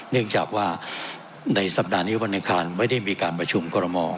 เนื่องจากว่าในสัปดาห์นี้วันอังคารไม่ได้มีการประชุมกรมอล